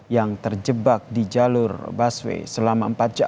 yang terjebak di jalur busway selama empat jam